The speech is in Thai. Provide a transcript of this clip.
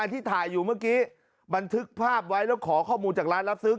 ที่ถ่ายอยู่เมื่อกี้บันทึกภาพไว้แล้วขอข้อมูลจากร้านรับซื้อ